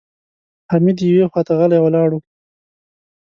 حميد يوې خواته غلی ولاړ و.